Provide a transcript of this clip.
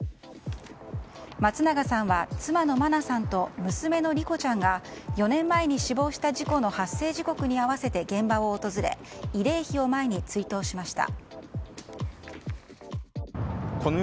松永さんは妻の真菜さんと娘の莉子ちゃんが４年前に死亡した事故の発生時刻に合わせて現場を訪れ慰霊碑を前に追悼しました。